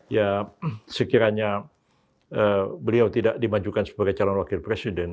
ya sekiranya beliau tidak dimajukan sebagai calon wakil presiden